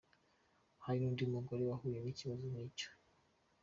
Hari n’undi mugore wahuye n’ikibazo nk’icyo .